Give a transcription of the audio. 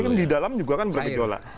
tapi kan di dalam juga kan bergejolak